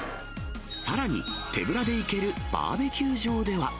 さらに、手ぶらで行けるバーベキュー場では。